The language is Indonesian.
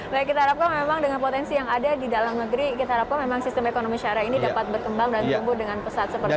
baik kita harapkan memang dengan potensi yang ada di dalam negeri kita harapkan memang sistem ekonomi syariah ini dapat berkembang dan tumbuh dengan pesat seperti ini